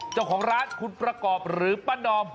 เจ้าของร้านคุณประกอบหรือป้านอม